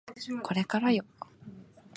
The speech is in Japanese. これからよ